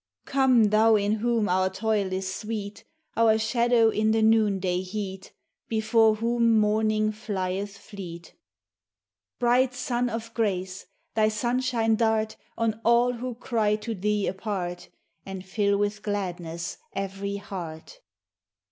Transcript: Come, thou in whom our toil is sweet, Our shadow in the noonday heat, Before whom mourning flieth fleet. Bright Sun of Grace! thy sunshine dart On all who cry to thee apart, And fill with gladness every heart.